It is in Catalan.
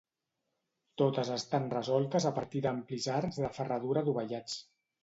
Totes estan resoltes a partir d'amplis arcs de ferradura dovellats.